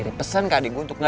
sebenernya gak apa apa ya